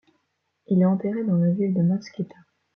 Il est enterré dans la ville de Mtskheta.